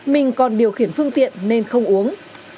mình còn điều khiển phương tiện nên không uống